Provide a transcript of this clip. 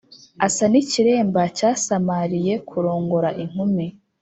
asa n’ikiremba cyasamariye kurongora inkumi.